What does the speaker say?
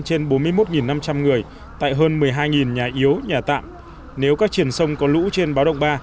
trên bốn mươi một năm trăm linh người tại hơn một mươi hai nhà yếu nhà tạm nếu các triển sông có lũ trên báo động ba